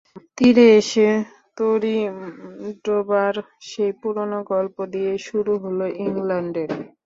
তীরে এসে তরি ডোবার সেই পুরোনো গল্প দিয়েই শুরু হলো ইংল্যান্ডের।